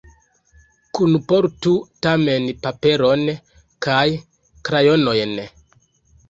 Kunportu tamen paperon kaj krajonojn.